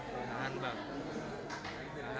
saya pilih untuk tapa ya